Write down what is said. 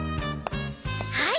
はい！